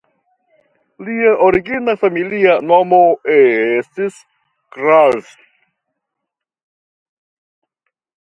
Lia origina familia nomo estis "Krahl".